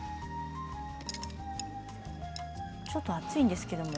ちょっと熱いんですけれど。